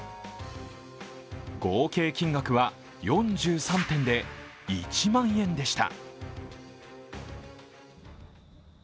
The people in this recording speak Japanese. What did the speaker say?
合計金額は４３点で１万円でした。